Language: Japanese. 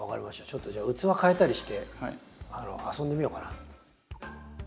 ちょっとじゃあ器替えたりして遊んでみようかな。